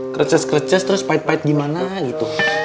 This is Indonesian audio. kerces kerces terus pait pait gimana gitu